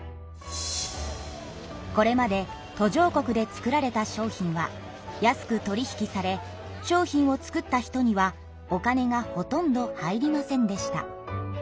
これまで途上国で作られた商品は安く取り引きされ商品を作った人にはお金がほとんど入りませんでした。